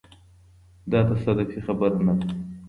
دا تصادفي خبره نه ده.